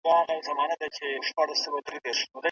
څېړونکی باید د ټولنې لپاره ښه بېلګه وي.